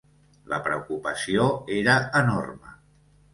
La preocupació era enorme.